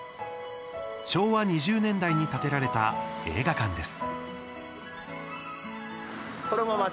昭和２０年代に建てられた映画館です。